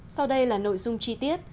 sau đây là nội dung chi tiết